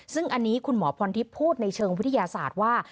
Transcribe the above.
ซึ่งอันนี้คุณหมอพรทิพย์พูดในเชิงวิทยาศาสตร์ว่า